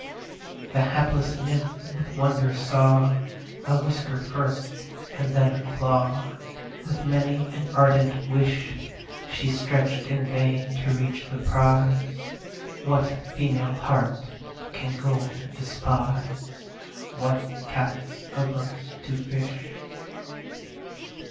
The hapless Nymph with wonder saw: A whisker first and then a claw, With many an ardent wish, She stretch'd in vain to reach the prize. What female heart can gold despise? What Cat's averse to fish?